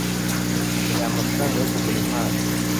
Nkeneye amafaranga yo kugura impano.